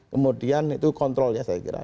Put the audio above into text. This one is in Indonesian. kemudian itu kontrolnya saya kira